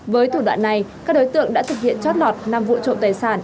với thủ đoạn này các đối tượng đã thực hiện chót lọt năm vụ trộm tài sản